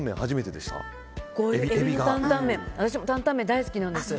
大好きです。